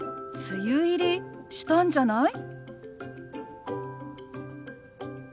梅雨入りしたんじゃない？